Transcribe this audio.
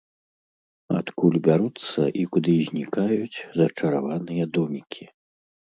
Адкуль бяруцца і куды знікаюць зачараваныя домікі?